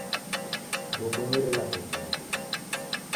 Ndoubonyere ilagho jingi.